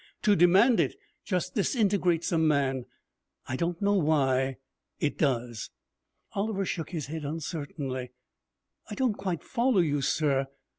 To demand it just disintegrates a man. I don't know why. It does.' Oliver shook his head uncertainly. 'I don't quite follow you, sir.